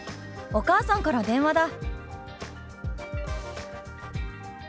お母さんから電話だ」。